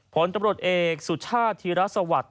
ผลตำรวจเอกสุชาติธีรสวัสดิ์